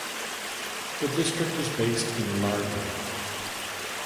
The district is based in Largo.